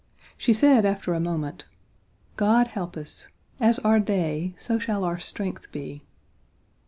She said after a moment: "God help us. As our day, so shall our strength be."